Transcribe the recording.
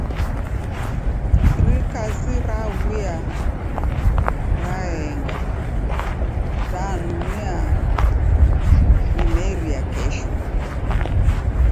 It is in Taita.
Iri kazi rawuya raenga danu narimeria kesho.